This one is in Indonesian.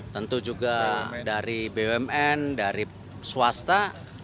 tentu juga dari bumn dari swasta